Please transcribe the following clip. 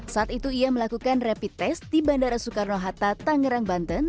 saat itu ia melakukan rapid test di bandara soekarno hatta tangerang banten